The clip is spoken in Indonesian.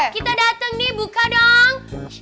kita datang nih buka dong